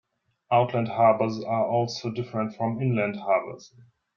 Outland harbors are also different from inland harbors.